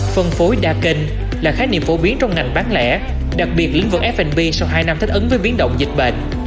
phân phối đa kênh là khái niệm phổ biến trong ngành bán lẻ đặc biệt lĩnh vực f b sau hai năm thích ứng với biến động dịch bệnh